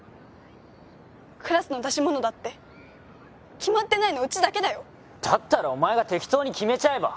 クラスの出し物だって決まってないのうちだけだよだったらお前が適当に決めちゃえば？